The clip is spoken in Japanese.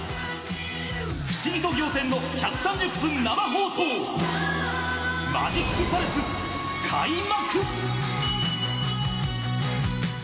不思議と仰天の１３０分生放送マジックパレス開幕。